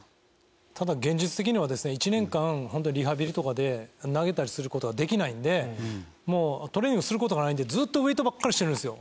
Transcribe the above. ただ現実的にはですね１年間ホントにリハビリとかで投げたりする事ができないのでトレーニングする事がないのでずっとウエイトばっかりしてるんですよ。